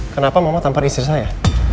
kenapa mama tampar istri saya